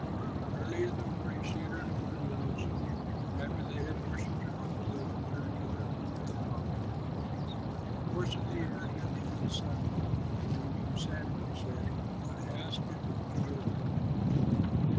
Early in the morning she and her husband rose; and after they had worshipped Jehovah, they returned to their home at Ramah. In the course of the year Hannah had a son and named him Samuel, saying, "I asked him of Jehovah."